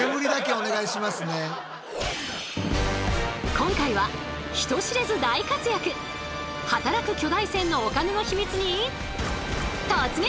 今回は人知れず大活躍働く巨大船のお金のヒミツに突撃！